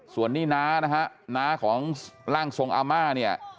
ส่วนนี้น้านะฮะน้าของร่างทรงอาม่าเนี่ย